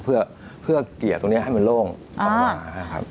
เพื่อเกลี่ยตรงนี้ให้มันโล่งออกมานะครับ